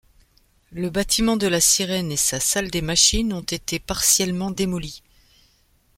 Le bâtiment de la sirène et sa salle des machines ont été partiellement démolis.